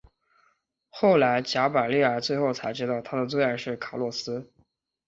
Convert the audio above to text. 后来贾柏莉儿最后才知道她的最爱是卡洛斯。